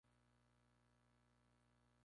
Tiene algunas variantes textuales inusuales.